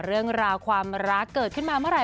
เรื่องราวความรักเกิดขึ้นมาเมื่อไห